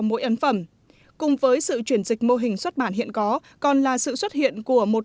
mỗi ấn phẩm cùng với sự chuyển dịch mô hình xuất bản hiện có còn là sự xuất hiện của một